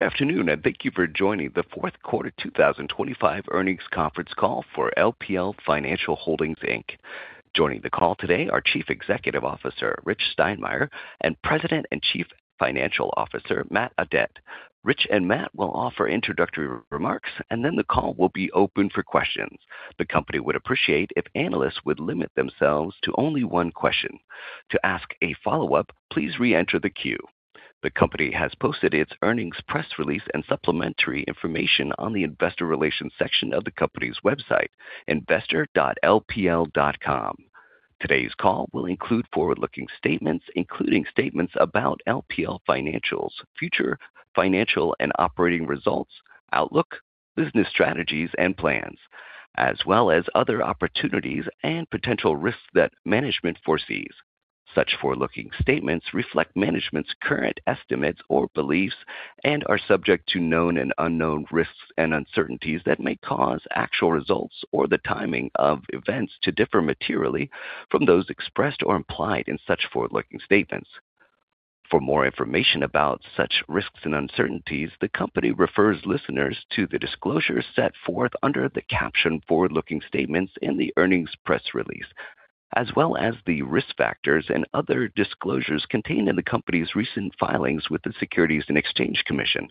Good afternoon, and thank you for joining the Fourth Quarter 2025 Earnings Conference Call for LPL Financial Holdings, Inc. Joining the call today are Chief Executive Officer Rich Steinmeier and President and Chief Financial Officer Matt Audette. Rich and Matt will offer introductory remarks, and then the call will be open for questions. The company would appreciate if analysts would limit themselves to only one question. To ask a follow-up, please reenter the queue. The company has posted its earnings, press release, and supplementary information on the investor relations section of the company's website, investor.lpl.com. Today's call will include forward-looking statements, including statements about LPL Financial's future financial and operating results, outlook, business strategies and plans, as well as other opportunities and potential risks that management foresees. Such forward-looking statements reflect management's current estimates or beliefs and are subject to known and unknown risks and uncertainties that may cause actual results or the timing of events to differ materially from those expressed or implied in such forward-looking statements. For more information about such risks and uncertainties, the company refers listeners to the disclosures set forth under the caption Forward-Looking Statements in the earnings press release, as well as the risk factors and other disclosures contained in the company's recent filings with the Securities and Exchange Commission.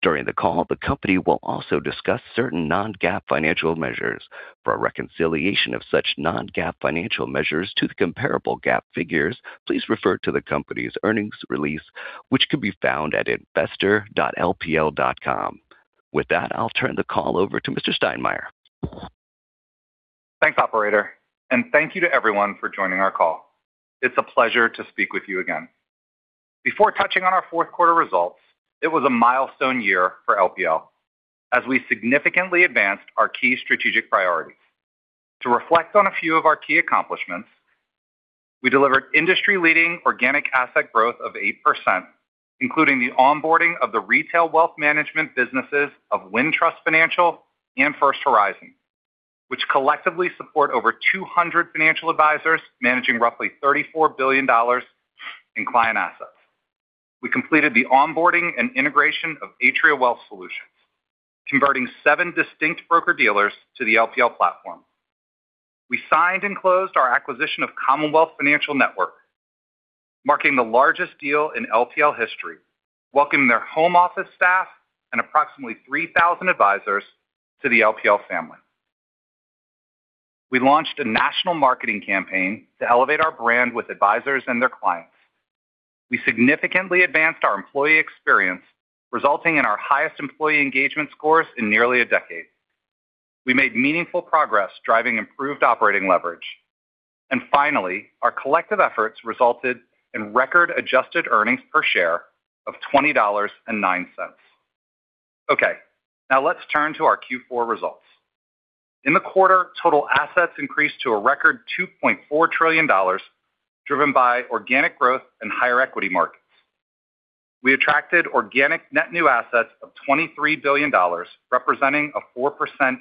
During the call, the company will also discuss certain non-GAAP financial measures. For a reconciliation of such non-GAAP financial measures to the comparable GAAP figures, please refer to the company's earnings release, which can be found at investor.lpl.com. With that, I'll turn the call over to Mr. Steinmeier. Thanks, operator, and thank you to everyone for joining our call. It's a pleasure to speak with you again. Before touching on our fourth quarter results, it was a milestone year for LPL as we significantly advanced our key strategic priorities. To reflect on a few of our key accomplishments, we delivered industry-leading organic asset growth of 8%, including the onboarding of the retail wealth management businesses of Wintrust Financial and First Horizon, which collectively support over 200 financial advisors, managing roughly $34 billion in client assets. We completed the onboarding and integration of Atria Wealth Solutions, converting seven distinct broker-dealers to the LPL platform. We signed and closed our acquisition of Commonwealth Financial Network, marking the largest deal in LPL history, welcoming their home office staff and approximately 3,000 advisors to the LPL family. We launched a national marketing campaign to elevate our brand with advisors and their clients. We significantly advanced our employee experience, resulting in our highest employee engagement scores in nearly a decade. We made meaningful progress driving improved operating leverage. And finally, our collective efforts resulted in record adjusted earnings per share of $20.09. Okay, now let's turn to our Q4 results. In the quarter, total assets increased to a record $2.4 trillion, driven by organic growth and higher equity markets. We attracted organic net new assets of $23 billion, representing a 4%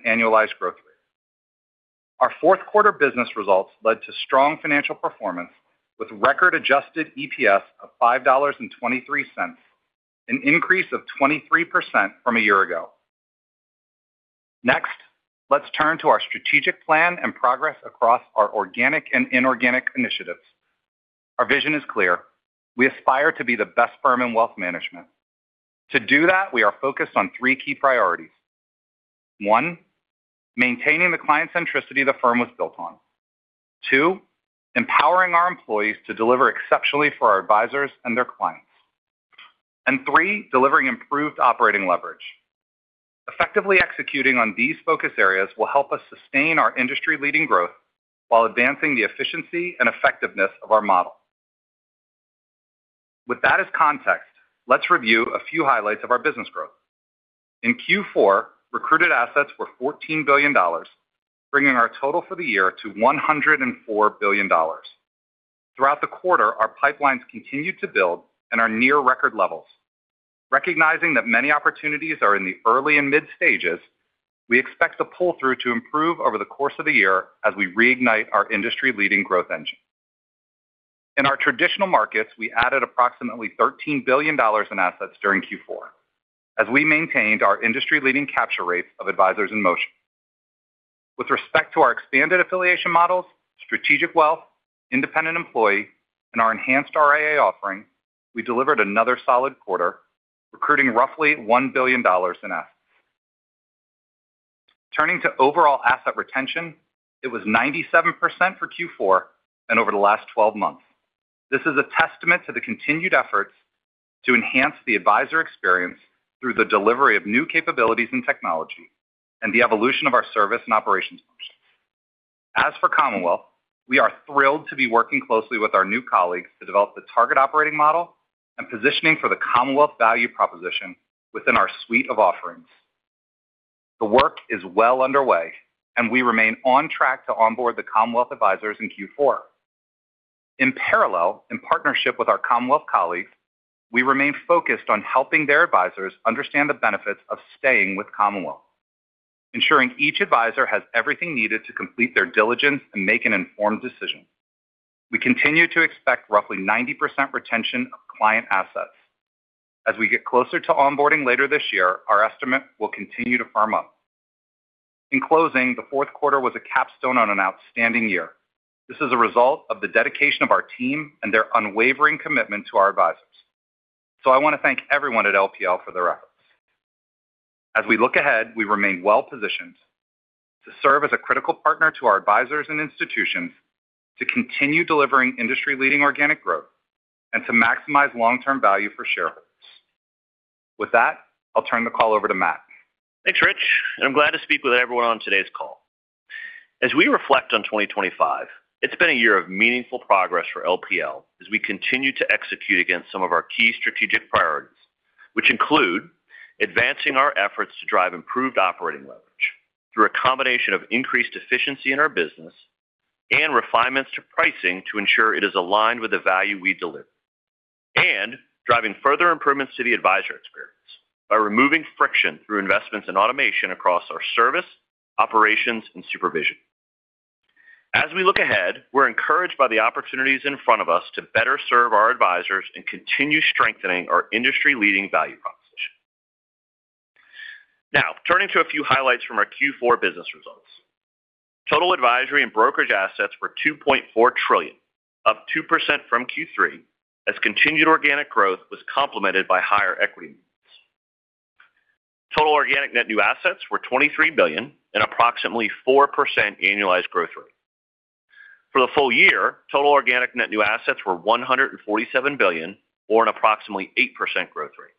annualized growth rate. Our fourth quarter business results led to strong financial performance, with record adjusted EPS of $5.23, an increase of 23% from a year ago. Next, let's turn to our strategic plan and progress across our organic and inorganic initiatives. Our vision is clear: We aspire to be the best firm in wealth management. To do that, we are focused on three key priorities. One, maintaining the client centricity the firm was built on. Two, empowering our employees to deliver exceptionally for our advisors and their clients. And three, delivering improved operating leverage. Effectively executing on these focus areas will help us sustain our industry-leading growth while advancing the efficiency and effectiveness of our model. With that as context, let's review a few highlights of our business growth. In Q4, recruited assets were $14 billion, bringing our total for the year to $104 billion. Throughout the quarter, our pipelines continued to build and are near record levels. Recognizing that many opportunities are in the early and mid stages, we expect the pull-through to improve over the course of the year as we reignite our industry-leading growth engine. In our traditional markets, we added approximately $13 billion in assets during Q4 as we maintained our industry-leading capture rates of advisors in motion. With respect to our expanded affiliation models, Strategic Wealth, independent employee, and our enhanced RIA offering, we delivered another solid quarter, recruiting roughly $1 billion in assets. Turning to overall asset retention, it was 97% for Q4 and over the last 12 months. This is a testament to the continued efforts to enhance the advisor experience through the delivery of new capabilities and technology and the evolution of our service and operations function. As for Commonwealth, we are thrilled to be working closely with our new colleagues to develop the target operating model and positioning for the Commonwealth value proposition within our suite of offerings. The work is well underway, and we remain on track to onboard the Commonwealth advisors in Q4. In parallel, in partnership with our Commonwealth colleagues, we remain focused on helping their advisors understand the benefits of staying with Commonwealth, ensuring each advisor has everything needed to complete their diligence and make an informed decision. We continue to expect roughly 90% retention of client assets. As we get closer to onboarding later this year, our estimate will continue to firm up. In closing, the fourth quarter was a capstone on an outstanding year. This is a result of the dedication of our team and their unwavering commitment to our advisors. So I want to thank everyone at LPL for their efforts. As we look ahead, we remain well-positioned to serve as a critical partner to our advisors and institutions, to continue delivering industry-leading organic growth, and to maximize long-term value for shareholders. With that, I'll turn the call over to Matt. Thanks, Rich, and I'm glad to speak with everyone on today's call. As we reflect on 2025, it's been a year of meaningful progress for LPL as we continue to execute against some of our key strategic priorities, which include advancing our efforts to drive improved operating leverage through a combination of increased efficiency in our business and refinements to pricing to ensure it is aligned with the value we deliver. And driving further improvements to the advisor experience by removing friction through investments in automation across our service, operations, and supervision. As we look ahead, we're encouraged by the opportunities in front of us to better serve our advisors and continue strengthening our industry-leading value proposition. Now, turning to a few highlights from our Q4 business results. Total advisory and brokerage assets were $2.4 trillion, up 2% from Q3, as continued organic growth was complemented by higher equity. Total organic net new assets were $23 billion and approximately 4% annualized growth rate. For the full year, total organic net new assets were $147 billion, or an approximately 8% growth rate.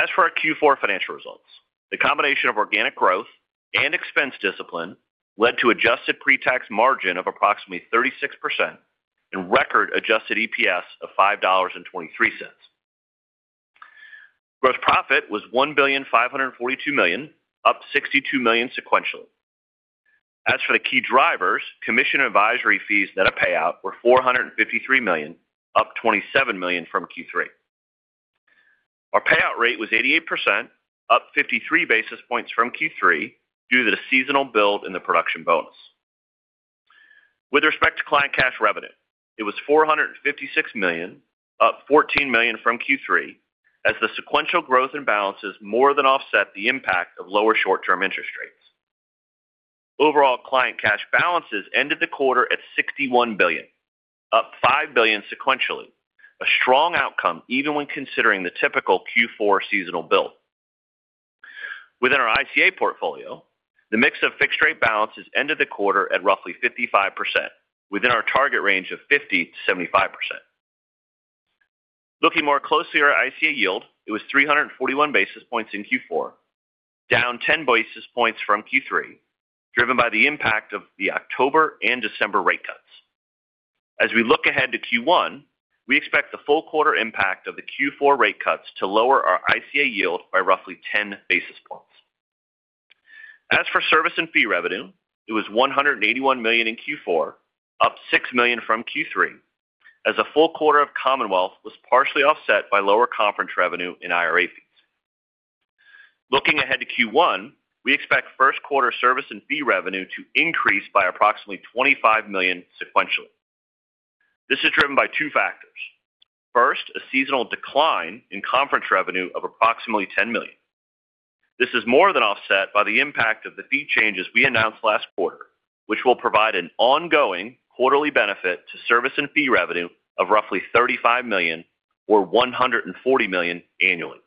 As for our Q4 financial results, the combination of organic growth and expense discipline led to adjusted pre-tax margin of approximately 36% and record adjusted EPS of $5.23. Gross profit was $1.542 billion, up $62 million sequentially. As for the key drivers, Commission and advisory fees net of payout were $453 million, up $27 million from Q3. Our payout rate was 88%, up 53 basis points from Q3, due to the seasonal build in the production bonus. With respect to client cash revenue, it was $456 million, up $14 million from Q3, as the sequential growth and balances more than offset the impact of lower short-term interest rates. Overall, client cash balances ended the quarter at $61 billion, up $5 billion sequentially, a strong outcome even when considering the typical Q4 seasonal build. Within our ICA portfolio, the mix of fixed rate balances ended the quarter at roughly 55%, within our target range of 50%-75%. Looking more closely at our ICA yield, it was 341 basis points in Q4, down 10 basis points from Q3, driven by the impact of the October and December rate cuts. As we look ahead to Q1, we expect the full quarter impact of the Q4 rate cuts to lower our ICA yield by roughly 10 basis points. As for service and fee revenue, it was $181 million in Q4, up $6 million from Q3, as a full quarter of Commonwealth was partially offset by lower conference revenue and IRA fees. Looking ahead to Q1, we expect first quarter service and fee revenue to increase by approximately $25 million sequentially. This is driven by two factors. First, a seasonal decline in conference revenue of approximately $10 million. This is more than offset by the impact of the fee changes we announced last quarter, which will provide an ongoing quarterly benefit to service and fee revenue of roughly $35 million or $140 million annually.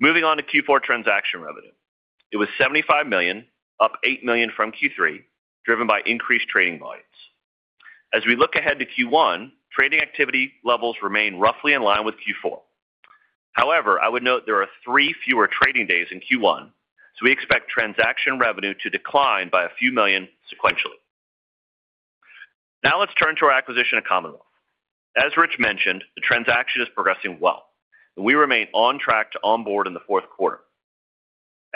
Moving on to Q4 transaction revenue. It was $75 million, up $8 million from Q3, driven by increased trading volumes. As we look ahead to Q1, trading activity levels remain roughly in line with Q4. However, I would note there are three fewer trading days in Q1, so we expect transaction revenue to decline by a few million sequentially. Now, let's turn to our acquisition of Commonwealth. As Rich mentioned, the transaction is progressing well, and we remain on track to onboard in the fourth quarter.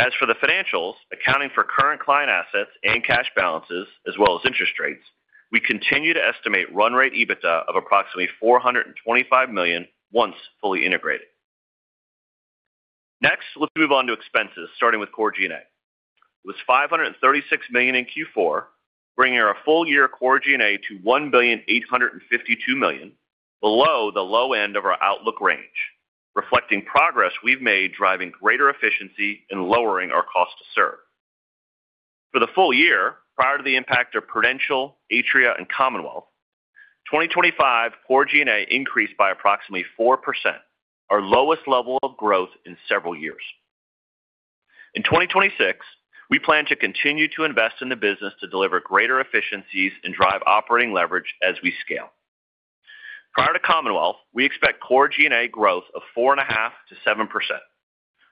As for the financials, accounting for current client assets and cash balances, as well as interest rates, we continue to estimate run rate EBITDA of approximately $425 million once fully integrated. Next, let's move on to expenses, starting with core G&A. It was $536 million in Q4, bringing our full-year core G&A to $1,852,000,000, below the low end of our outlook range, reflecting progress we've made, driving greater efficiency and lowering our cost to serve. For the full year, prior to the impact of Prudential, Atria, and Commonwealth, 2025 core G&A increased by approximately 4%, our lowest level of growth in several years. In 2026, we plan to continue to invest in the business to deliver greater efficiencies and drive operating leverage as we scale. Prior to Commonwealth, we expect core G&A growth of 4.5%-7%,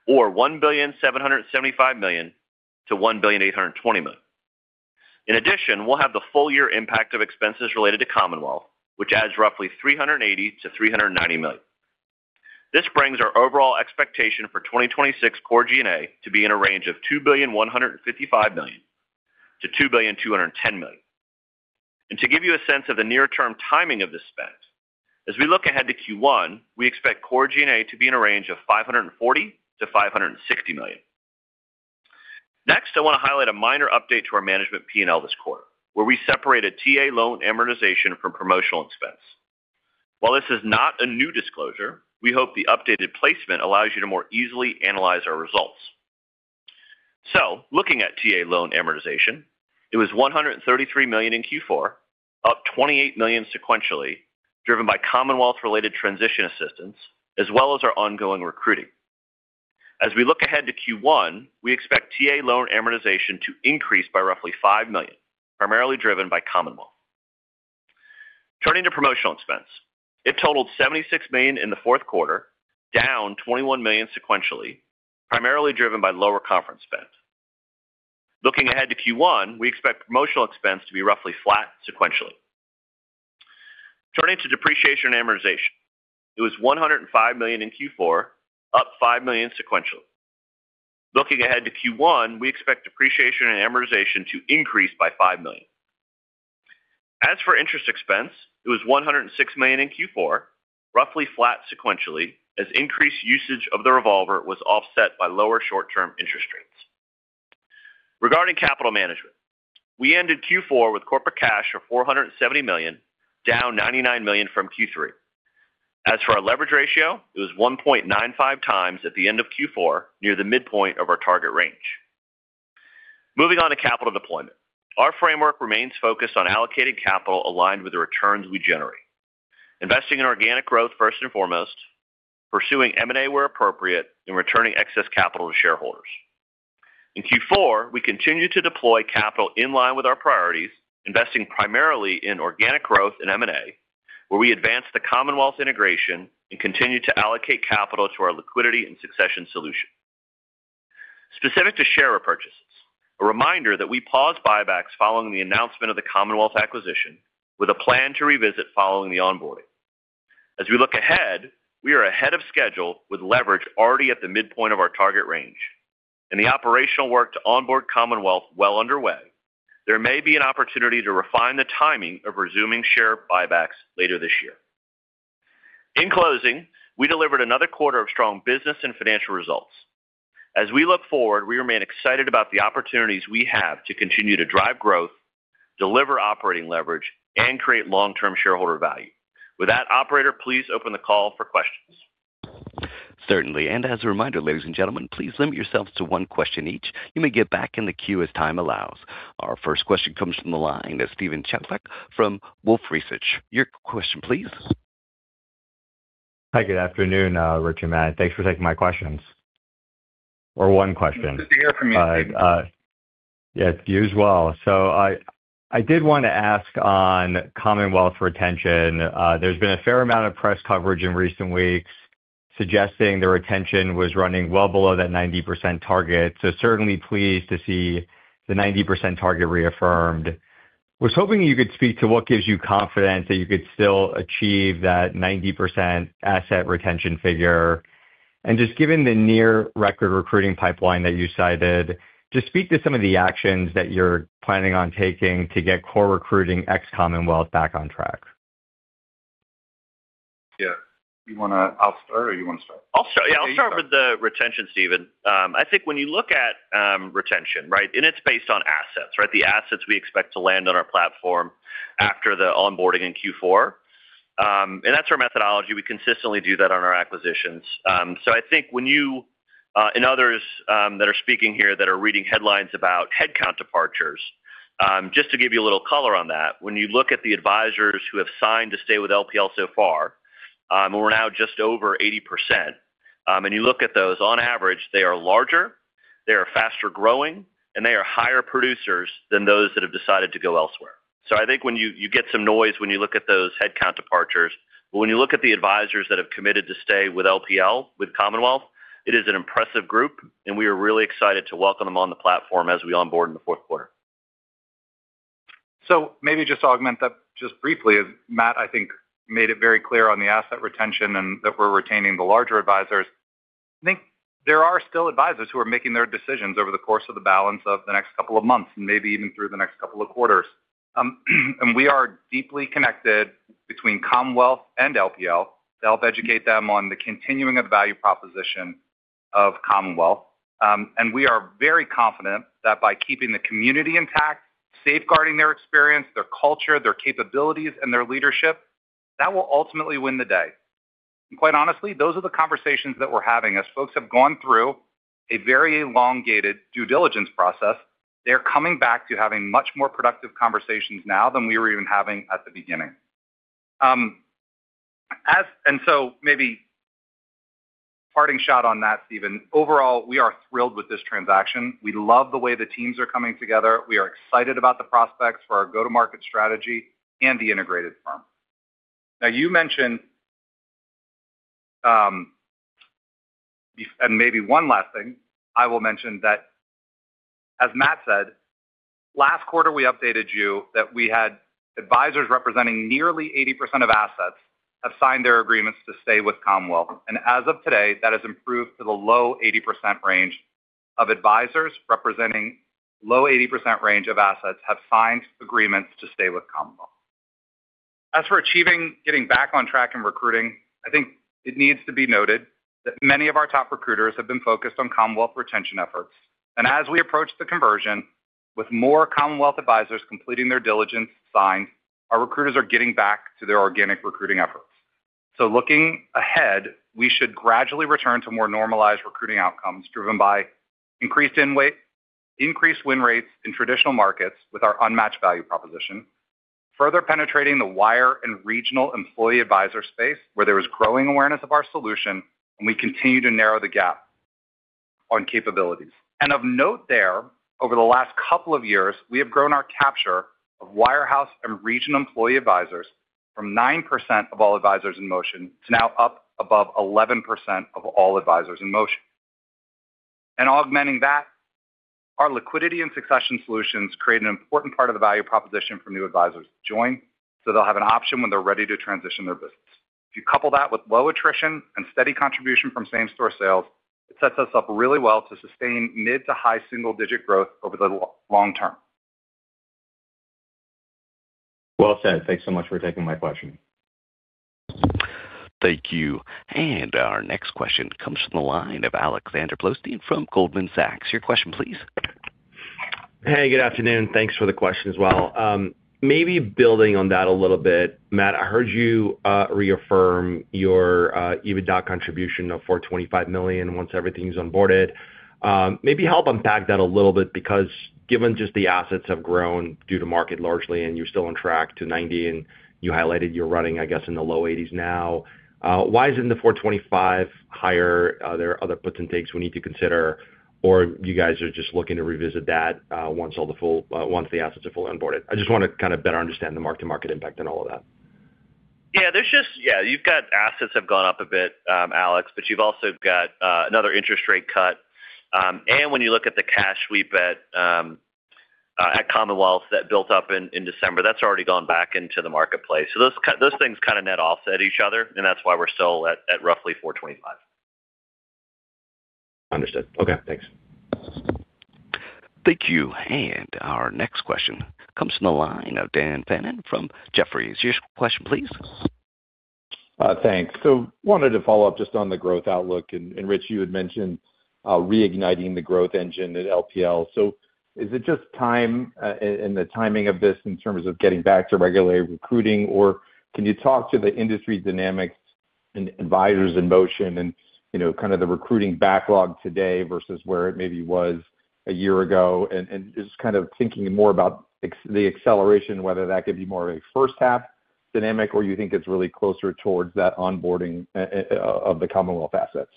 or $1,775,000,000-$1,820,000,000. In addition, we'll have the full year impact of expenses related to Commonwealth, which adds roughly $300 million-$390 million. This brings our overall expectation for 2026 Core G&A to be in a range of $2,155,000,000-$2,210,000,000. To give you a sense of the near-term timing of this spend, as we look ahead to Q1, we expect core G&A to be in a range of $540 million-$560 million. Next, I want to highlight a minor update to our management P&L this quarter, where we separated TA Loan Amortization from promotional expense. While this is not a new disclosure, we hope the updated placement allows you to more easily analyze our results. So looking at TA loan amortization, it was $133 million in Q4, up $28 million sequentially, driven by Commonwealth-related transition assistance as well as our ongoing recruiting. As we look ahead to Q1, we expect TA loan amortization to increase by roughly $5 million, primarily driven by Commonwealth. Turning to promotional expense, it totaled $76 million in the fourth quarter, down $21 million sequentially, primarily driven by lower conference spend. Looking ahead to Q1, we expect promotional expense to be roughly flat sequentially. Turning to depreciation and amortization, it was $105 million in Q4, up $5 million sequentially. Looking ahead to Q1, we expect depreciation and amortization to increase by $5 million. As for interest expense, it was $106 million in Q4, roughly flat sequentially, as increased usage of the revolver was offset by lower short-term interest rates. Regarding capital management, we ended Q4 with corporate cash of $470 million, down $99 million from Q3. As for our leverage ratio, it was 1.95x at the end of Q4, near the midpoint of our target range. Moving on to capital deployment. Our framework remains focused on allocated capital aligned with the returns we generate, investing in organic growth first and foremost, pursuing M&A where appropriate, and returning excess capital to shareholders. In Q4, we continued to deploy capital in line with our priorities, investing primarily in organic growth and M&A, where we advanced the Commonwealth integration and continued to allocate capital to our liquidity and succession solution. Specific to share repurchases, a reminder that we paused buybacks following the announcement of the Commonwealth acquisition, with a plan to revisit following the onboarding. As we look ahead, we are ahead of schedule, with leverage already at the midpoint of our target range and the operational work to onboard Commonwealth well underway. There may be an opportunity to refine the timing of resuming share buybacks later this year. In closing, we delivered another quarter of strong business and financial results. As we look forward, we remain excited about the opportunities we have to continue to drive growth, deliver operating leverage, and create long-term shareholder value. With that, operator, please open the call for questions. Certainly. As a reminder, ladies and gentlemen, please limit yourselves to one question each. You may get back in the queue as time allows. Our first question comes from the line of Steven Chubak from Wolfe Research. Your question, please. Hi, good afternoon, Rich and Matt. Thanks for taking my questions, or one question. Good to hear from you, Steven. Yeah, you as well. So I, I did want to ask on Commonwealth retention. There's been a fair amount of press coverage in recent weeks suggesting the retention was running well below that 90% target. So certainly pleased to see the 90% target reaffirmed. Was hoping you could speak to what gives you confidence that you could still achieve that 90% asset retention figure. And just given the near record recruiting pipeline that you cited, just speak to some of the actions that you're planning on taking to get core recruiting ex-Commonwealth back on track. Yeah. You want to-- I'll start or you want to start? I'll start. Yeah, I'll start with the retention, Steven. I think when you look at, retention, right, and it's based on assets, right? The assets we expect to land on our platform after the onboarding in Q4. That's our methodology. We consistently do that on our acquisitions. So I think when you, and others, that are speaking here that are reading headlines about headcount departures, just to give you a little color on that, when you look at the advisors who have signed to stay with LPL so far, and we're now just over 80%, and you look at those, on average, they are larger, they are faster growing, and they are higher producers than those that have decided to go elsewhere. So I think when you get some noise when you look at those headcount departures, but when you look at the advisors that have committed to stay with LPL, with Commonwealth, it is an impressive group, and we are really excited to welcome them on the platform as we onboard in the fourth quarter. So maybe just to augment that just briefly, as Matt, I think, made it very clear on the asset retention and that we're retaining the larger advisors. I think there are still advisors who are making their decisions over the course of the balance of the next couple of months and maybe even through the next couple of quarters. And we are deeply connected between Commonwealth and LPL to help educate them on the continuing of the value proposition of Commonwealth. We are very confident that by keeping the community intact, safeguarding their experience, their culture, their capabilities, and their leadership, that will ultimately win the day. And quite honestly, those are the conversations that we're having. As folks have gone through a very elongated due diligence process, they're coming back to having much more productive conversations now than we were even having at the beginning. And so maybe parting shot on that, Steven. Overall, we are thrilled with this transaction. We love the way the teams are coming together. We are excited about the prospects for our go-to-market strategy and the integrated firm. Now, you mentioned... Maybe one last thing, I will mention that, as Matt said, last quarter, we updated you that we had advisors representing nearly 80% of assets have signed their agreements to stay with Commonwealth, and as of today, that has improved to the low 80% range.... Of advisors representing low 80% range of assets have signed agreements to stay with Commonwealth. As for achieving getting back on track and recruiting, I think it needs to be noted that many of our top recruiters have been focused on Commonwealth retention efforts. As we approach the conversion, with more Commonwealth advisors completing their due diligence, signing, our recruiters are getting back to their organic recruiting efforts. Looking ahead, we should gradually return to more normalized recruiting outcomes, driven by increased win rate, increased win rates in traditional markets with our unmatched value proposition, further penetrating the wire and regional employee advisor space, where there is growing awareness of our solution, and we continue to narrow the gap on capabilities. Of note there, over the last couple of years, we have grown our capture of wirehouse and regional employee advisors from 9% of all advisors in motion to now up above 11% of all advisors in motion. Augmenting that, our liquidity and succession solutions create an important part of the value proposition for new advisors to join, so they'll have an option when they're ready to transition their business. If you couple that with low attrition and steady contribution from same-store sales, it sets us up really well to sustain mid- to high single-digit growth over the long term. Well said. Thanks so much for taking my question. Thank you. And our next question comes from the line of Alexander Blostein from Goldman Sachs. Your question, please. Hey, good afternoon. Thanks for the question as well. Maybe building on that a little bit, Matt, I heard you reaffirm your EBITDA contribution of $425 million once everything's onboarded. Maybe help unpack that a little bit, because given just the assets have grown due to market largely, and you're still on track to 90%, and you highlighted you're running, I guess, in the low 80s now, why isn't the $425 million higher? Are there other puts and takes we need to consider, or you guys are just looking to revisit that, once the assets are fully onboarded? I just want to kind of better understand the mark-to-market impact in all of that. Yeah, there's just... Yeah, you've got assets have gone up a bit, Alex, but you've also got another interest rate cut. And when you look at the cash sweep at Commonwealth that built up in December, that's already gone back into the marketplace. So those things kind of net offset each other, and that's why we're still at roughly $425 million. Understood. Okay, thanks. Thank you. And our next question comes from the line of Dan Fannon from Jefferies. Your question, please. Thanks. So wanted to follow up just on the growth outlook, and Rich, you had mentioned reigniting the growth engine at LPL. So is it just time and the timing of this in terms of getting back to regular recruiting, or can you talk to the industry dynamics and advisors in motion and, you know, kind of the recruiting backlog today versus where it maybe was a year ago? And just kind of thinking more about the acceleration, whether that could be more of a first half dynamic or you think it's really closer towards that onboarding of the Commonwealth assets.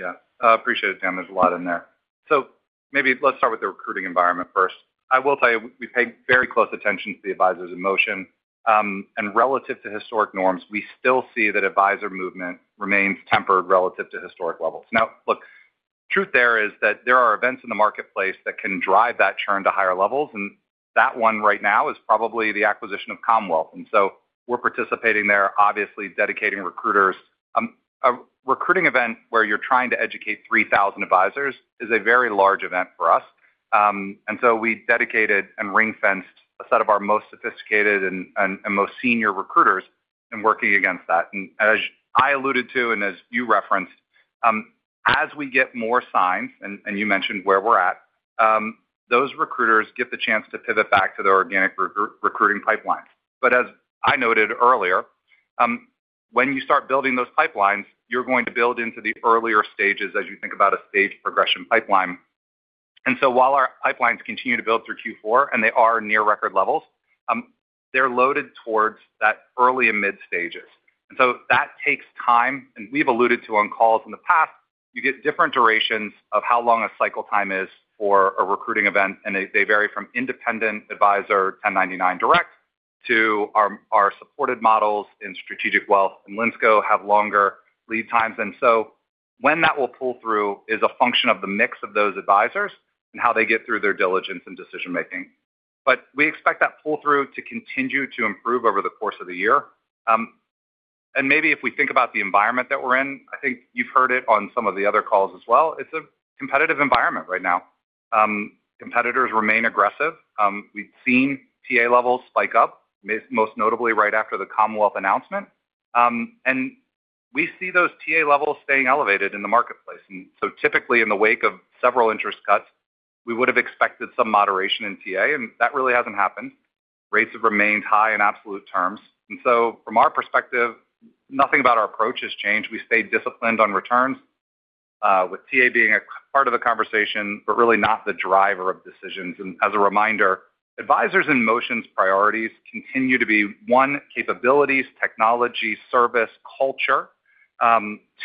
Yeah. I appreciate it, Dan. There's a lot in there. So maybe let's start with the recruiting environment first. I will tell you, we pay very close attention to the advisors in motion, and relative to historic norms, we still see that advisor movement remains tempered relative to historic levels. Now, look, truth there is that there are events in the marketplace that can drive that churn to higher levels, and that one right now is probably the acquisition of Commonwealth. And so we're participating there, obviously dedicating recruiters. A recruiting event where you're trying to educate 3,000 advisors is a very large event for us. And so we dedicated and ring-fenced a set of our most sophisticated and most senior recruiters in working against that. And as I alluded to, and as you referenced, as we get more signs, and you mentioned where we're at, those recruiters get the chance to pivot back to their organic recruiting pipelines. But as I noted earlier, when you start building those pipelines, you're going to build into the earlier stages as you think about a stage progression pipeline. And so while our pipelines continue to build through Q4, and they are near record levels, they're loaded towards that early and mid stages. And so that takes time, and we've alluded to on calls in the past, you get different durations of how long a cycle time is for a recruiting event, and they vary from independent advisor, 1099 direct, to our supported models in Strategic Wealth, and Linsco have longer lead times. And so when that will pull through is a function of the mix of those advisors and how they get through their diligence and decision making. But we expect that pull-through to continue to improve over the course of the year. And maybe if we think about the environment that we're in, I think you've heard it on some of the other calls as well, it's a competitive environment right now. Competitors remain aggressive. We've seen TA levels spike up, most notably right after the Commonwealth announcement. And we see those TA levels staying elevated in the marketplace. And so typically in the wake of several interest cuts, we would have expected some moderation in TA, and that really hasn't happened. Rates have remained high in absolute terms. And so from our perspective, nothing about our approach has changed. We stayed disciplined on returns, with TA being a part of the conversation, but really not the driver of decisions. As a reminder, advisors in motion's priorities continue to be, one, capabilities, technology, service, culture,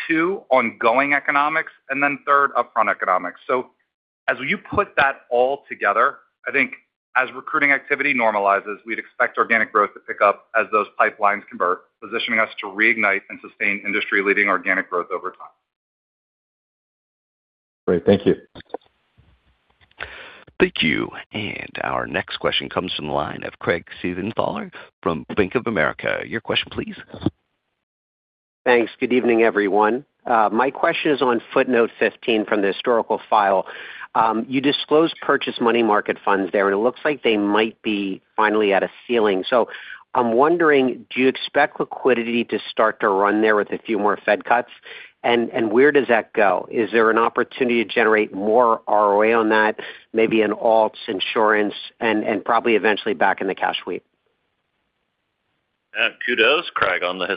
two, ongoing economics, and then third, upfront economics. As you put that all together, I think as recruiting activity normalizes, we'd expect organic growth to pick up as those pipelines convert, positioning us to reignite and sustain industry-leading organic growth over time. Great. Thank you.... Thank you. And our next question comes from the line of Craig Siegenthaler from Bank of America. Your question, please. Thanks. Good evening, everyone. My question is on footnote 15 from the historical file. You disclosed purchased money market funds there, and it looks like they might be finally at a ceiling. So I'm wondering, do you expect liquidity to start to run there with a few more Fed cuts? And where does that go? Is there an opportunity to generate more ROA on that, maybe in alts, insurance, and probably eventually back in the cash sweep? Kudos, Craig, on the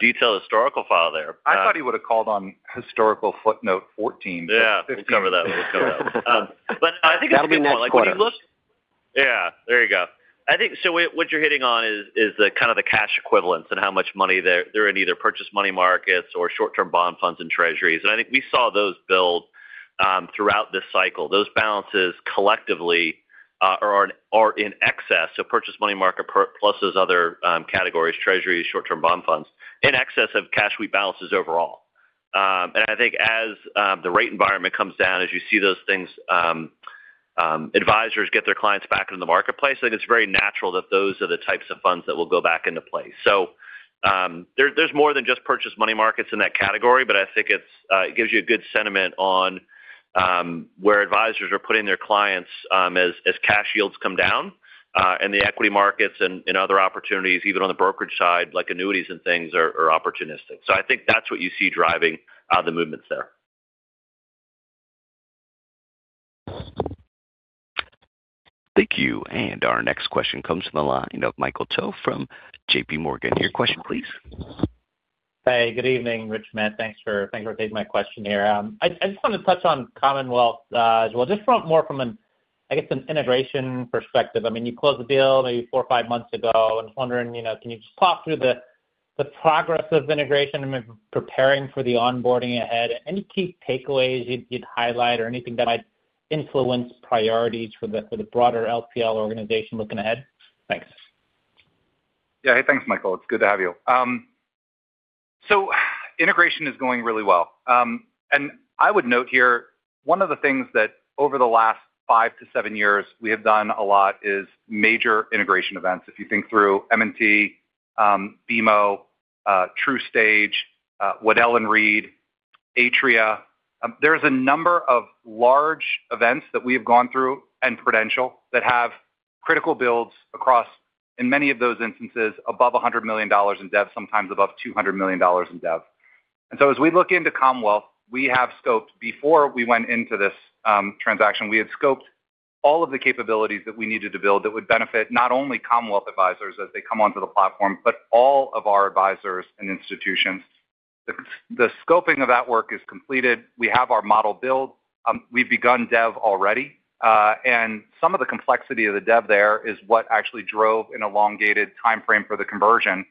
detailed historical file there. I thought he would have called on historical footnote 14. Yeah, we'll cover that. We'll cover that. But I think it's a good point. That'll be next quarter. Yeah, there you go. I think so what, what you're hitting on is the kind of the cash equivalents and how much money they're in either purchase money market funds or short-term bond funds and treasuries. And I think we saw those build throughout this cycle. Those balances collectively are in excess. So purchase money market funds plus those other categories, treasuries, short-term bond funds, in excess of cash sweep balances overall. And I think as the rate environment comes down, as you see those things, advisors get their clients back in the marketplace, I think it's very natural that those are the types of funds that will go back into play. So, there's more than just purchase money markets in that category, but I think it gives you a good sentiment on where advisors are putting their clients, as cash yields come down, and the equity markets and other opportunities, even on the brokerage side, like annuities and things, are opportunistic. So I think that's what you see driving the movements there. Thank you. Our next question comes from the line of Michael Cho from JPMorgan. Your question, please. Hey, good evening, Rich, Matt. Thanks for taking my question here. I just wanted to touch on Commonwealth as well, just from more from an, I guess, an integration perspective. I mean, you closed the deal maybe five or five months ago, and I was wondering, you know, can you just talk through the progress of integration and preparing for the onboarding ahead? Any key takeaways you'd highlight or anything that might influence priorities for the broader LPL organization looking ahead? Thanks. Yeah. Hey, thanks, Michael. It's good to have you. So integration is going really well. And I would note here, one of the things that over the last five to seven years we have done a lot is major integration events. If you think through M&T, BMO, TruStage, Waddell & Reed, Atria, there's a number of large events that we have gone through, and Prudential, that have critical builds across, in many of those instances, above $100 million in dev, sometimes above $200 million in dev. And so as we look into Commonwealth, we have scoped. Before we went into this transaction, we had scoped all of the capabilities that we needed to build that would benefit not only Commonwealth advisors as they come onto the platform, but all of our advisors and institutions. The scoping of that work is completed. We have our model build. We've begun dev already, and some of the complexity of the dev there is what actually drove an elongated timeframe for the conversion.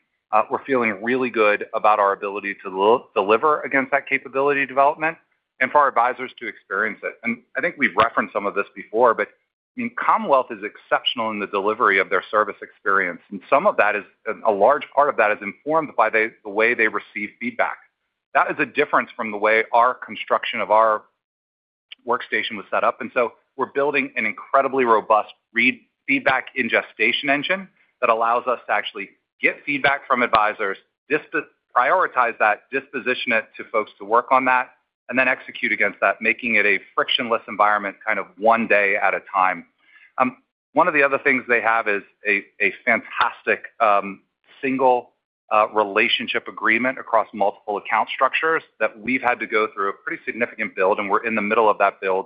We're feeling really good about our ability to deliver against that capability development and for our advisors to experience it. And I think we've referenced some of this before, but I mean, Commonwealth is exceptional in the delivery of their service experience, and some of that is, a large part of that is informed by the way they receive feedback. That is a difference from the way our construction of our workstation was set up, and so we're building an incredibly robust real feedback ingestion engine that allows us to actually get feedback from advisors, deprioritize that, disposition it to folks to work on that, and then execute against that, making it a frictionless environment, kind of one day at a time. One of the other things they have is a fantastic single relationship agreement across multiple account structures that we've had to go through a pretty significant build, and we're in the middle of that build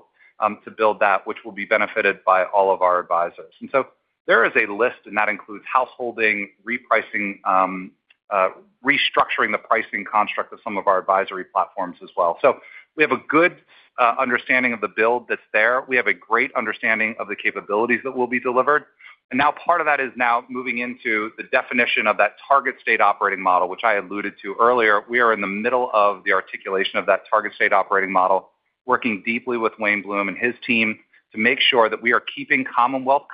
to build that, which will be benefited by all of our advisors. And so there is a list, and that includes householding, repricing, restructuring the pricing construct of some of our advisory platforms as well. So we have a good understanding of the build that's there. We have a great understanding of the capabilities that will be delivered. And now part of that is now moving into the definition of that target state operating model, which I alluded to earlier. We are in the middle of the articulation of that target state operating model, working deeply with Wayne Bloom and his team to make sure that we are keeping Commonwealth.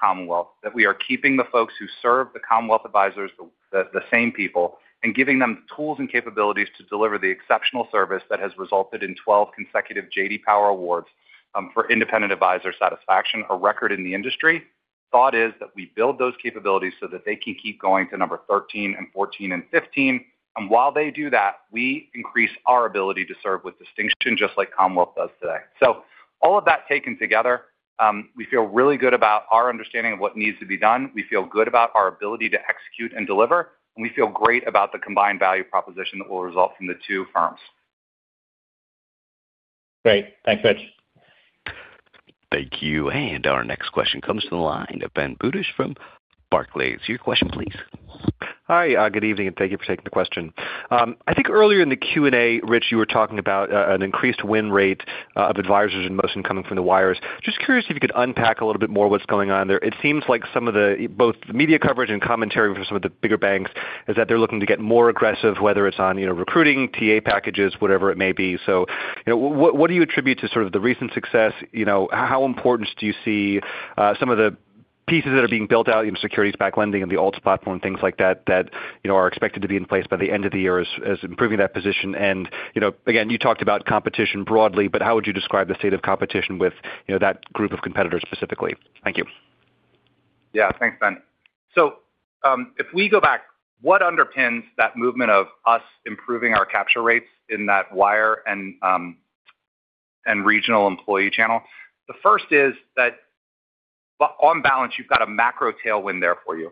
That we are keeping the folks who serve the Commonwealth advisors, the same people, and giving them tools and capabilities to deliver the exceptional service that has resulted in 12 consecutive J.D. Power Awards for independent advisor satisfaction, a record in the industry. Thought is that we build those capabilities so that they can keep going to number 13 and 14 and 15, and while they do that, we increase our ability to serve with distinction, just like Commonwealth does today. So all of that taken together, we feel really good about our understanding of what needs to be done. We feel good about our ability to execute and deliver, and we feel great about the combined value proposition that will result from the two firms. Great. Thanks, Rich. Thank you. Our next question comes to the line of Ben Budish from Barclays. Your question, please. Hi, good evening, and thank you for taking the question. I think earlier in the Q&A, Rich, you were talking about an increased win rate of advisors and most of them coming from the wires. Just curious if you could unpack a little bit more what's going on there. It seems like some of the, both the media coverage and commentary from some of the bigger banks, is that they're looking to get more aggressive, whether it's on, you know, recruiting, TA packages, whatever it may be. So, you know, what, what do you attribute to sort of the recent success? You know, how important do you see some of the- ... Pieces that are being built out, you know, securities-backed lending and the ALTS platform, things like that that you know are expected to be in place by the end of the year as improving that position. And, you know, again, you talked about competition broadly, but how would you describe the state of competition with, you know, that group of competitors specifically? Thank you. Yeah. Thanks, Ben. So, if we go back, what underpins that movement of us improving our capture rates in that wire and regional employee channel? The first is that on balance, you've got a macro tailwind there for you.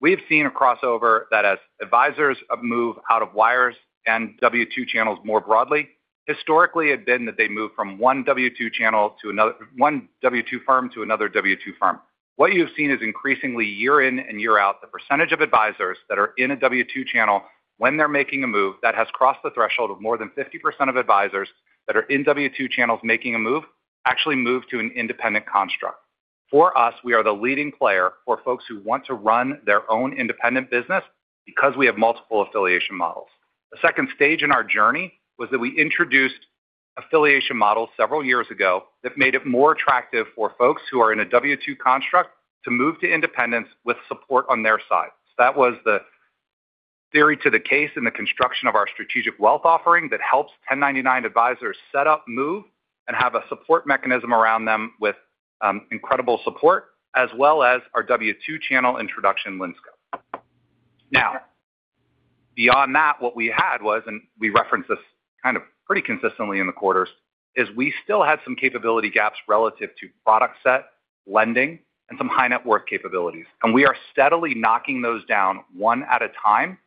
We've seen a crossover that as advisors have moved out of wires and W2 channels more broadly, historically, it had been that they moved from one W2 channel to another—one W2 firm to another W2 firm. What you've seen is increasingly year in and year out, the percentage of advisors that are in a W2 channel when they're making a move, that has crossed the threshold of more than 50% of advisors that are in W2 channels making a move, actually move to an independent construct. For us, we are the leading player for folks who want to run their own independent business because we have multiple affiliation models. The second stage in our journey was that we introduced affiliation models several years ago that made it more attractive for folks who are in a W2 construct to move to independence with support on their side. So that was the theory to the case in the construction of our Strategic Wealth offering that helps 1099 advisors set up, move, and have a support mechanism around them with incredible support, as well as our W2 channel introduction, Linsco. Now, beyond that, what we had was, and we reference this kind of pretty consistently in the quarters, is we still had some capability gaps relative to product set, lending, and some high net worth capabilities. We are steadily knocking those down one at a time,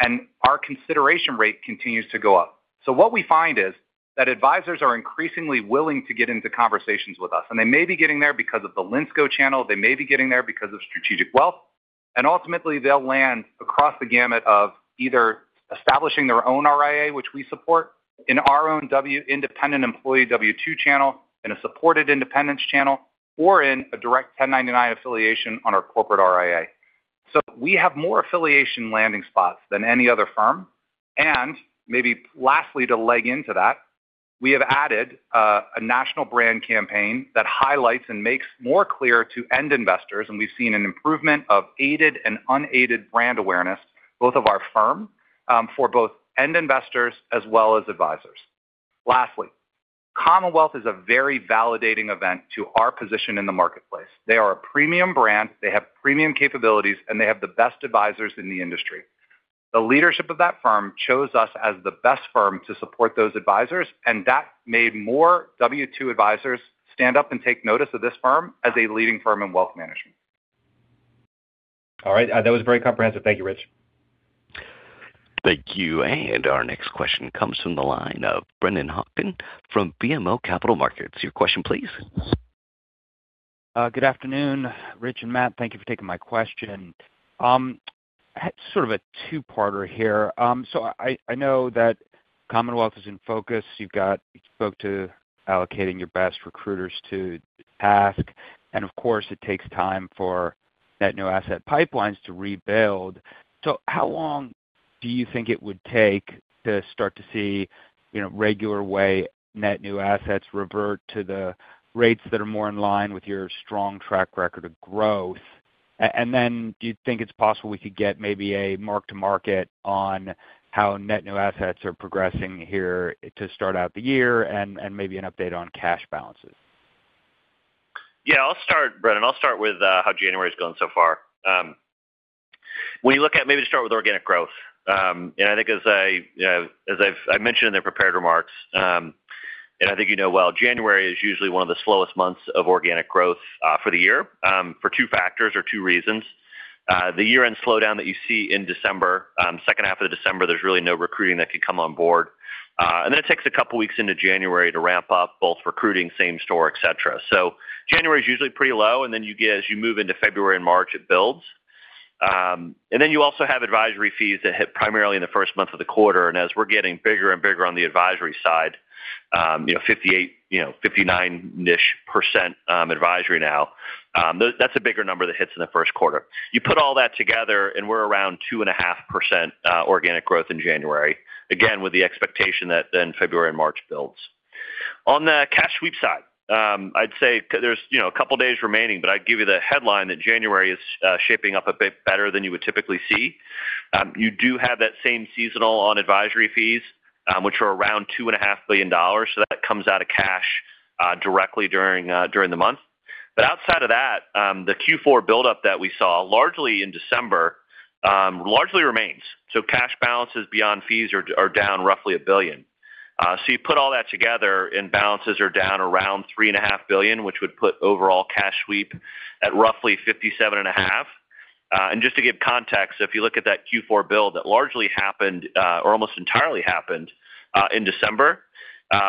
and our consideration rate continues to go up. So what we find is, that advisors are increasingly willing to get into conversations with us, and they may be getting there because of the Linsco channel, they may be getting there because of Strategic Wealth, and ultimately, they'll land across the gamut of either establishing their own RIA, which we support, in our own independent employee W2 channel, in a supported independence channel, or in a direct 1099 affiliation on our corporate RIA. So we have more affiliation landing spots than any other firm. Maybe lastly, to lead into that, we have added a national brand campaign that highlights and makes more clear to end investors, and we've seen an improvement of aided and unaided brand awareness, both of our firm, for both end investors as well as advisors. Lastly, Commonwealth is a very validating event to our position in the marketplace. They are a premium brand, they have premium capabilities, and they have the best advisors in the industry. The leadership of that firm chose us as the best firm to support those advisors, and that made more W2 advisors stand up and take notice of this firm as a leading firm in wealth management. All right, that was very comprehensive. Thank you, Rich. Thank you, and our next question comes from the line of Brennan Hawken from BMO Capital Markets. Your question, please. Good afternoon, Rich and Matt. Thank you for taking my question. I had sort of a two-parter here. So I know that Commonwealth is in focus. You've spoken to allocating your best recruiters to task, and of course, it takes time for net new asset pipelines to rebuild. So how long do you think it would take to start to see, you know, regular way net new assets revert to the rates that are more in line with your strong track record of growth? And then, do you think it's possible we could get maybe a mark to market on how net new assets are progressing here to start out the year, and maybe an update on cash balances? Yeah, I'll start, Brennan. I'll start with how January is going so far. When you look at... Maybe to start with organic growth. And I think as I, as I've mentioned in the prepared remarks, and I think you know well, January is usually one of the slowest months of organic growth for the year, for two factors or two reasons. The year-end slowdown that you see in December, second half of December, there's really no recruiting that could come on board. And then it takes a couple weeks into January to ramp up both recruiting, same store, et cetera. So January is usually pretty low, and then you get, as you move into February and March, it builds. And then you also have advisory fees that hit primarily in the first month of the quarter, and as we're getting bigger and bigger on the advisory side, you know, 58%, you know, 59-ish%, advisory now, that's a bigger number that hits in the first quarter. You put all that together, and we're around 2.5%, organic growth in January. Again, with the expectation that then February and March builds. On the cash sweep side, I'd say there's, you know, a couple of days remaining, but I'd give you the headline that January is, shaping up a bit better than you would typically see. You do have that same seasonal on advisory fees, which are around $2.5 billion, so that comes out of cash, directly during the month. But outside of that, the Q4 buildup that we saw, largely in December, largely remains. So cash balances beyond fees are down roughly $1 billion. So you put all that together, and balances are down around $3.5 billion, which would put overall cash sweep at roughly $57.5 billion. And just to give context, if you look at that Q4 build, that largely happened, or almost entirely happened, in December,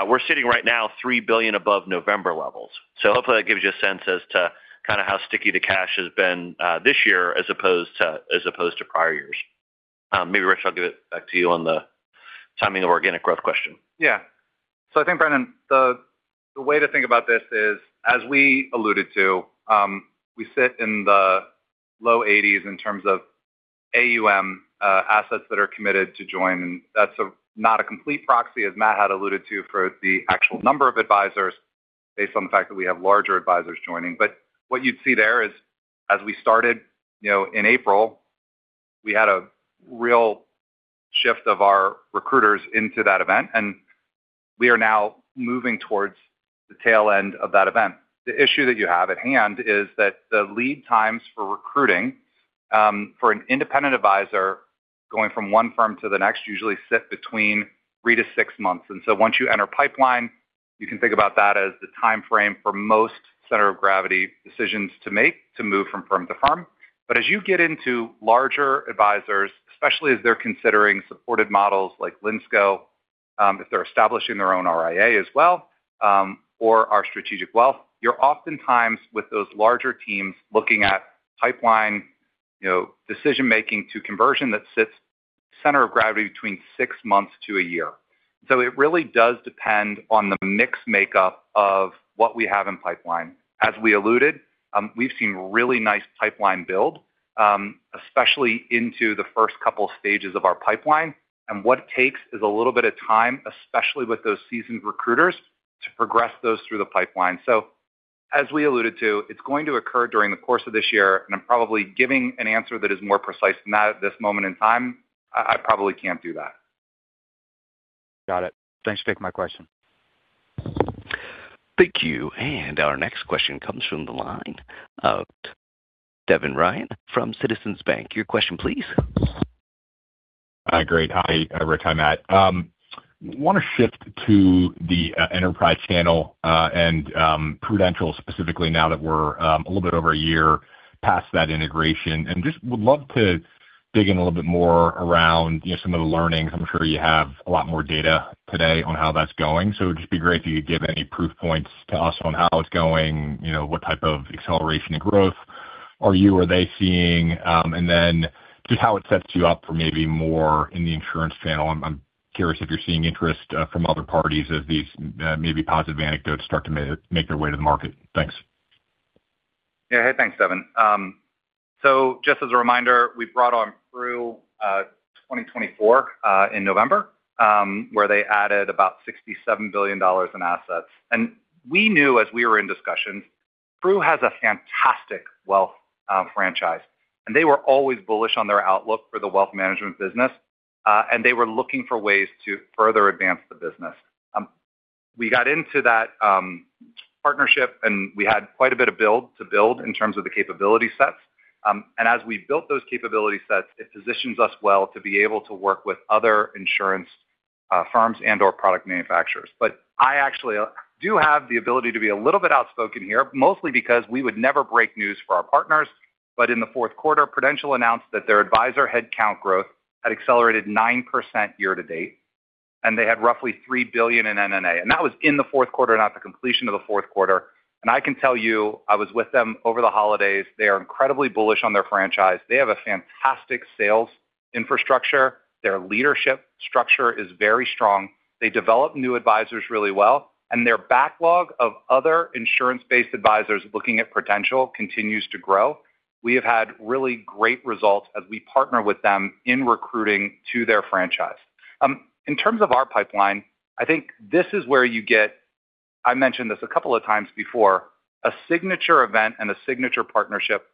we're sitting right now $3 billion above November levels. So hopefully that gives you a sense as to kind of how sticky the cash has been, this year, as opposed to prior years. Maybe, Rich, I'll give it back to you on the timing of organic growth question. Yeah. So I think, Brennan, the way to think about this is, as we alluded to, we sit in the low 80s in terms of AUM, assets that are committed to join. And that's not a complete proxy, as Matt had alluded to, for the actual number of advisors, based on the fact that we have larger advisors joining. But what you'd see there is, as we started, you know, in April, we had a real shift of our recruiters into that event, and we are now moving towards the tail end of that event. The issue that you have at hand is that the lead times for recruiting, for an independent advisor going from one firm to the next, usually sit between three to six months. And so once you enter pipeline, you can think about that as the timeframe for most center of gravity decisions to make to move from firm to firm. But as you get into larger advisors, especially as they're considering supported models like Linsco, if they're establishing their own RIA as well, or our Strategic Wealth, you're oftentimes with those larger teams looking at pipeline, you know, decision-making to conversion that sits center of gravity between six months to a year. So it really does depend on the mix makeup of what we have in pipeline. As we alluded, we've seen really nice pipeline build, especially into the first couple stages of our pipeline. And what it takes is a little bit of time, especially with those seasoned recruiters, to progress those through the pipeline. So as we alluded to, it's going to occur during the course of this year, and I'm probably giving an answer that is more precise than that at this moment in time. I, I probably can't do that. Got it. Thanks for taking my question. Thank you. Our next question comes from the line of Devin Ryan from Citizens Bank. Your question, please. Hi, great. Hi, Rich, hi, Matt. Want to shift to the enterprise channel and Prudential specifically, now that we're a little bit over a year past that integration, and just would love to dig in a little bit more around, you know, some of the learnings. I'm sure you have a lot more data today on how that's going, so it would just be great if you could give any proof points to us on how it's going, you know, what type of acceleration and growth are you or they seeing, and then just how it sets you up for maybe more in the insurance channel. I'm curious if you're seeing interest from other parties as these maybe positive anecdotes start to make their way to the market. Thanks. Yeah. Hey, thanks, Devin. So just as a reminder, we brought on through 2024 in November, where they added about $67 billion in assets. And we knew as we were in discussions, Prudential has a fantastic wealth franchise, and they were always bullish on their outlook for the wealth management business, and they were looking for ways to further advance the business. We got into that partnership, and we had quite a bit of build to build in terms of the capability sets. And as we built those capability sets, it positions us well to be able to work with other insurance firms and/or product manufacturers. But I actually do have the ability to be a little bit outspoken here, mostly because we would never break news for our partners. But in the fourth quarter, Prudential announced that their advisor headcount growth had accelerated 9% year-to-date, and they had roughly $3 billion in NNA, and that was in the fourth quarter, not the completion of the fourth quarter. And I can tell you, I was with them over the holidays. They are incredibly bullish on their franchise. They have a fantastic sales infrastructure. Their leadership structure is very strong. They develop new advisors really well, and their backlog of other insurance-based advisors looking at Prudential continues to grow. We have had really great results as we partner with them in recruiting to their franchise. In terms of our pipeline, I think this is where you get... I mentioned this a couple of times before, a signature event and a signature partnership.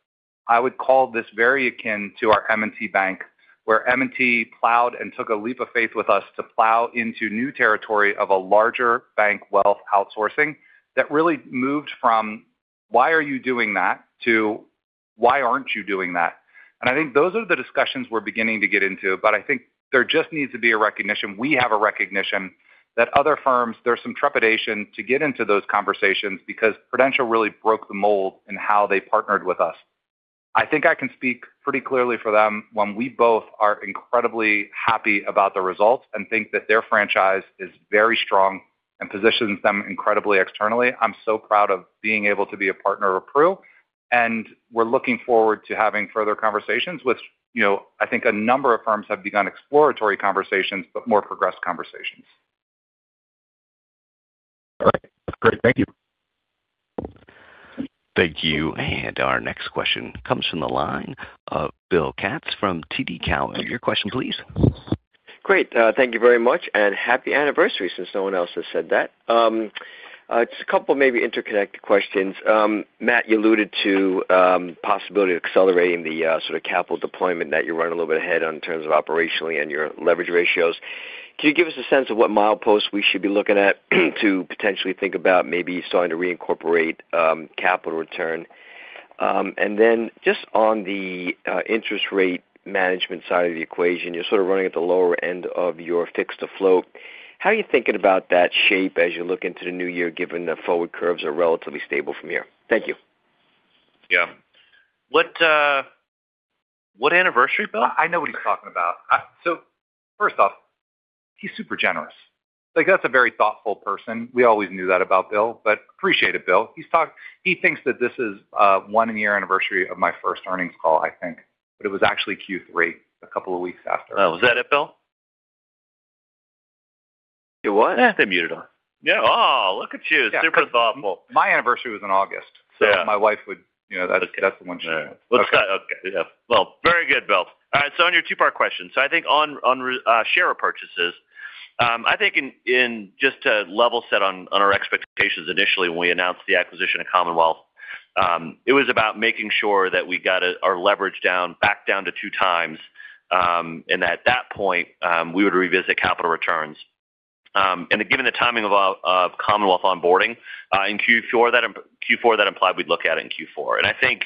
I would call this very akin to our M&T Bank, where M&T plowed and took a leap of faith with us to plow into new territory of a larger bank wealth outsourcing that really moved from, "Why are you doing that?" to, "Why aren't you doing that?" I think those are the discussions we're beginning to get into, but I think there just needs to be a recognition. We have a recognition that other firms, there's some trepidation to get into those conversations because Prudential really broke the mold in how they partnered with us. I think I can speak pretty clearly for them when we both are incredibly happy about the results and think that their franchise is very strong and positions them incredibly externally. I'm so proud of being able to be a partner of Prudential, and we're looking forward to having further conversations with... You know, I think a number of firms have begun exploratory conversations, but more progressed conversations. All right, that's great. Thank you. Thank you. And our next question comes from the line of Bill Katz from TD Cowen. Your question, please. Great. Thank you very much, and happy anniversary, since no one else has said that. It's a couple maybe interconnected questions. Matt, you alluded to possibility of accelerating the sort of capital deployment that you're running a little bit ahead on in terms of operationally and your leverage ratios. Can you give us a sense of what mileposts we should be looking at to potentially think about maybe starting to reincorporate capital return? And then just on the interest rate management side of the equation, you're sort of running at the lower end of your fixed-to-float. How are you thinking about that shape as you look into the new year, given the forward curves are relatively stable from here? Thank you. Yeah. What, what anniversary, Bill? I know what he's talking about. So first off, he's super generous. Like, that's a very thoughtful person. We always knew that about Bill, but appreciate it, Bill. He thinks that this is, one-year anniversary of my first earnings call, I think, but it was actually Q3, a couple of weeks after. Oh, was that it, Bill?... You what? They muted on. Yeah. Oh, look at you, super thoughtful. My anniversary was in August. Yeah. So my wife would, you know, that's the one she- Okay. Yeah. Well, very good, Bill. All right, so on your two-part question. So I think on share purchases, I think in just to level set on our expectations, initially, when we announced the acquisition of Commonwealth, it was about making sure that we got our leverage down, back down to 2x, and at that point, we would revisit capital returns. And given the timing of of Commonwealth onboarding, in Q4 that-- Q4, that implied we'd look at in Q4. And I think,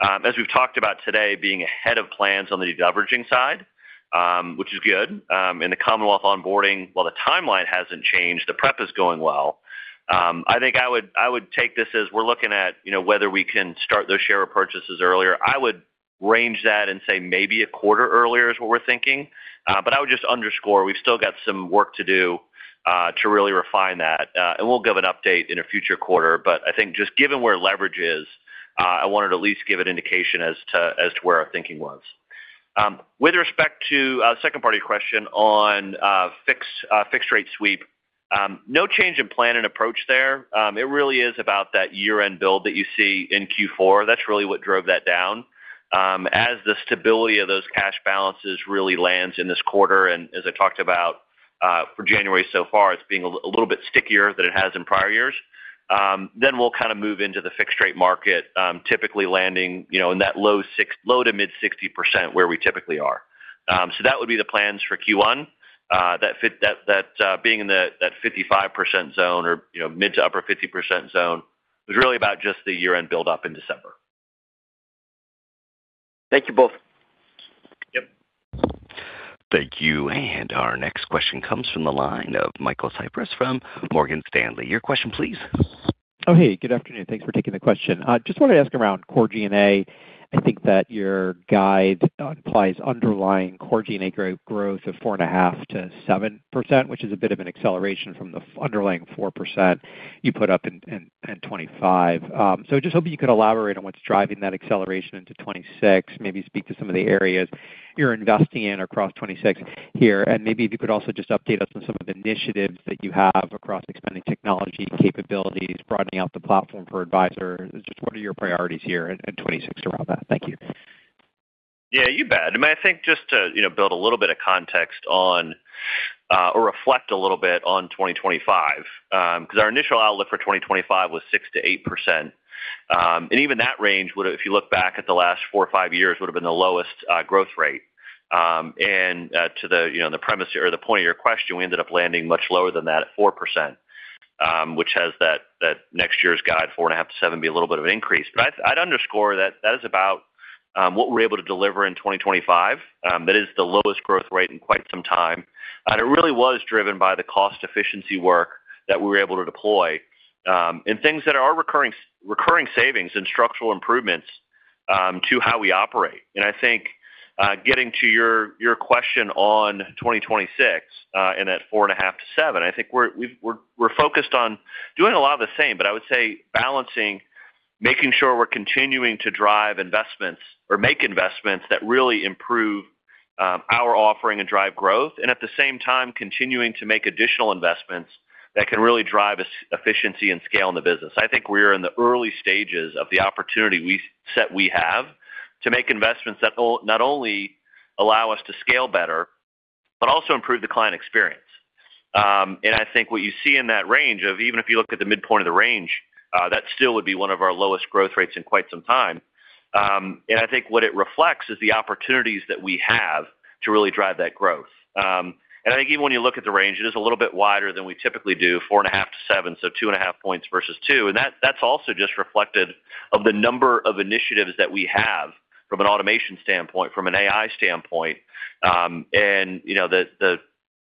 as we've talked about today, being ahead of plans on the deleveraging side, which is good, and the Commonwealth onboarding, while the timeline hasn't changed, the prep is going well. I think I would take this as we're looking at, you know, whether we can start those share purchases earlier. I would range that and say maybe a quarter earlier is what we're thinking. But I would just underscore, we've still got some work to do, to really refine that. And we'll give an update in a future quarter, but I think just given where leverage is, I wanted to at least give an indication as to where our thinking was. With respect to second part of your question on fixed rate sweep, no change in plan and approach there. It really is about that year-end build that you see in Q4. That's really what drove that down. As the stability of those cash balances really lands in this quarter, and as I talked about, for January so far, it's being a little bit stickier than it has in prior years. Then we'll kind of move into the fixed rate market, typically landing, you know, in that low- to mid-60%, where we typically are. So that would be the plans for Q1. That, that being in the, that 55% zone or, you know, mid- to upper-50% zone, was really about just the year-end build up in December. Thank you both. Yep. Thank you. And our next question comes from the line of Michael Cyprys from Morgan Stanley. Your question, please. Oh, hey, good afternoon. Thanks for taking the question. I just wanted to ask around core G&A. I think that your guide implies underlying core G&A growth of 4.5%-7%, which is a bit of an acceleration from the underlying 4% you put up in 2025. So just hoping you could elaborate on what's driving that acceleration into 2026. Maybe speak to some of the areas you're investing in across 2026 here, and maybe if you could also just update us on some of the initiatives that you have across expanding technology capabilities, broadening out the platform for advisors. Just what are your priorities here in 2026 around that? Thank you. Yeah, you bet. I mean, I think just to, you know, build a little bit of context on, or reflect a little bit on 2025, because our initial outlook for 2025 was 6%-8%. And even that range would, if you look back at the last four or five years, would have been the lowest, growth rate. And, to the, you know, the premise or the point of your question, we ended up landing much lower than that at 4%, which has that, that next year's guide, 4.5%-7%, be a little bit of an increase. But I'd, I'd underscore that, that is about, what we're able to deliver in 2025. That is the lowest growth rate in quite some time. It really was driven by the cost efficiency work that we were able to deploy, and things that are recurring savings and structural improvements, to how we operate. I think, getting to your question on 2026, and at 4.5%-7%, I think we're focused on doing a lot of the same, but I would say balancing, making sure we're continuing to drive investments or make investments that really improve our offering and drive growth, and at the same time continuing to make additional investments that can really drive us efficiency and scale in the business. I think we're in the early stages of the opportunity we see we have, to make investments that will not only allow us to scale better, but also improve the client experience. And I think what you see in that range of even if you look at the midpoint of the range, that still would be one of our lowest growth rates in quite some time. And I think what it reflects is the opportunities that we have to really drive that growth. And I think even when you look at the range, it is a little bit wider than we typically do, 4.5-7%, so 2.5 points versus two. And that, that's also just reflective of the number of initiatives that we have from an automation standpoint, from an AI standpoint, and, you know, the, the,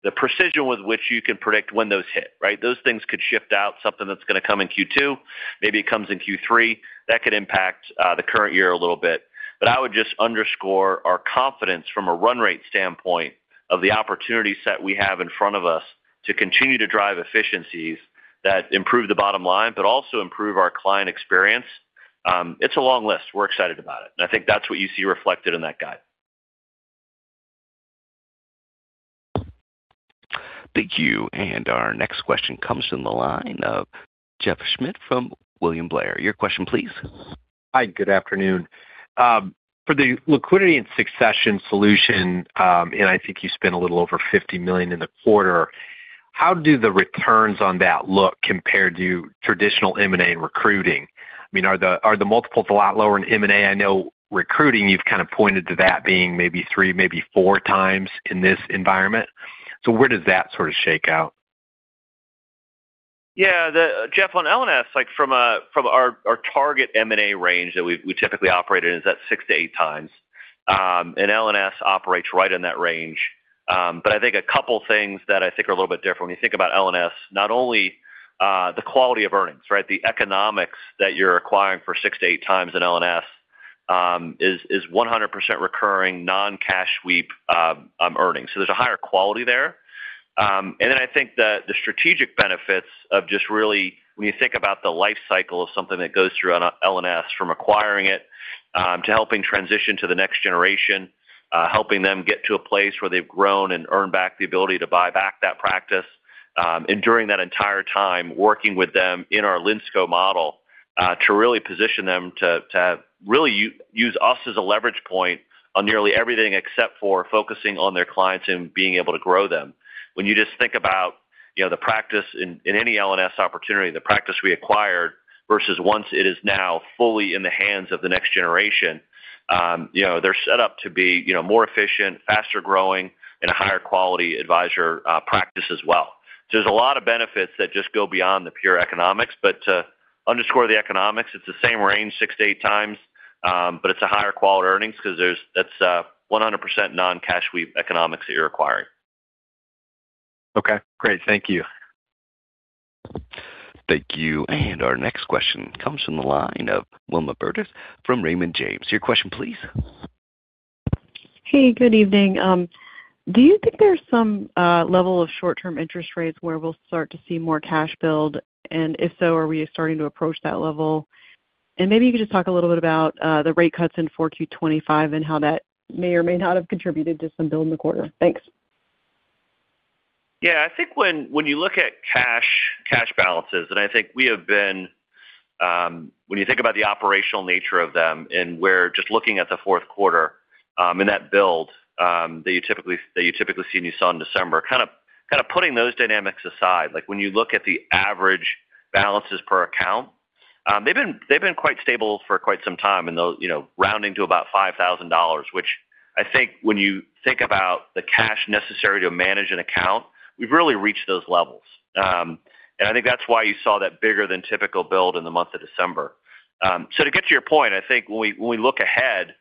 the precision with which you can predict when those hit, right? Those things could shift out something that's going to come in Q2, maybe it comes in Q3. That could impact the current year a little bit. But I would just underscore our confidence from a run rate standpoint of the opportunity set we have in front of us to continue to drive efficiencies that improve the bottom line, but also improve our client experience. It's a long list. We're excited about it, and I think that's what you see reflected in that guide. Thank you. Our next question comes from the line of Jeff Schmitt from William Blair. Your question, please. Hi, good afternoon. For the Liquidity and Succession Solution, and I think you spent a little over $50 million in the quarter, how do the returns on that look compared to traditional M&A and recruiting? I mean, are the multiples a lot lower in M&A? I know recruiting, you've kind of pointed to that being maybe 3x, maybe 4x in this environment. So where does that sort of shake out? Yeah, Jeff, on L&S, like from our target M&A range that we typically operate in, is at 6x-8x. And L&S operates right in that range. But I think a couple things that I think are a little bit different when you think about L&S, not only the quality of earnings, right? The economics that you're acquiring for 6x-8x times in L&S is 100% recurring non-cash sweep earnings. So there's a higher quality there. And then I think that the strategic benefits of just really when you think about the life cycle of something that goes through on L&S, from acquiring it to helping transition to the next generation, helping them get to a place where they've grown and earned back the ability to buy back that practice. And during that entire time, working with them in our Linsco model, to really position them to really use us as a leverage point on nearly everything except for focusing on their clients and being able to grow them. When you just think about, you know, the practice in any Linsco opportunity, the practice we acquired, versus once it is now fully in the hands of the next generation, you know, they're set up to be, you know, more efficient, faster-growing, and a higher quality advisor practice as well. So there's a lot of benefits that just go beyond the pure economics, but to underscore the economics, it's the same range, 6x-8x, but it's a higher quality earnings because there's that 100% non-cash sweep economics that you're acquiring. Okay, great. Thank you. Thank you. And our next question comes from the line of Wilma Burdis from Raymond James. Your question, please. Hey, good evening. Do you think there's some level of short-term interest rates where we'll start to see more cash build? And if so, are we starting to approach that level? And maybe you could just talk a little bit about the rate cuts in 4Q 2025 and how that may or may not have contributed to some build in the quarter. Thanks. Yeah, I think when, when you look at cash, cash balances, and I think we have been... When you think about the operational nature of them and where just looking at the fourth quarter, and that build, that you typically, that you typically see and you saw in December, kind of, kind of putting those dynamics aside. Like, when you look at the average balances per account, they've been, they've been quite stable for quite some time, and though, you know, rounding to about $5,000, which I think when you think about the cash necessary to manage an account, we've really reached those levels. And I think that's why you saw that bigger than typical build in the month of December. So, to get to your point, I think when we look ahead,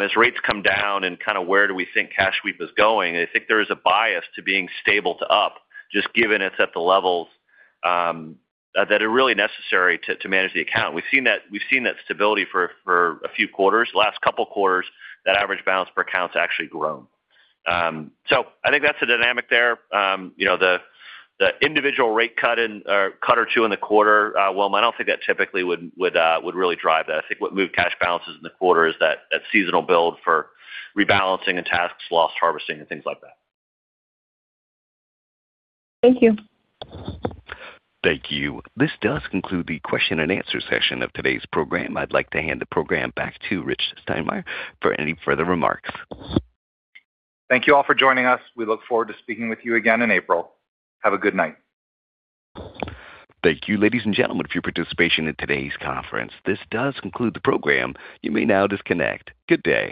as rates come down and kind of where do we think cash sweep is going, I think there is a bias to being stable to up, just given it's at the levels that are really necessary to manage the account. We've seen that stability for a few quarters. Last couple quarters, that average balance per account's actually grown. So I think that's the dynamic there. You know, the individual rate cut or one or two in the quarter, Wilma, I don't think that typically would really drive that. I think what moved cash balances in the quarter is that seasonal build for rebalancing and tax-loss harvesting, and things like that. Thank you. Thank you. This does conclude the question and answer session of today's program. I'd like to hand the program back to Rich Steinmeier for any further remarks. Thank you all for joining us. We look forward to speaking with you again in April. Have a good night. Thank you, ladies and gentlemen, for your participation in today's conference. This does conclude the program. You may now disconnect. Good day.